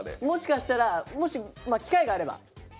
もしかしたらもし機会があれば。